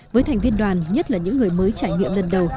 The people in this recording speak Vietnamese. với thành viên đoàn nhất là những người mới trải nghiệm lần đầu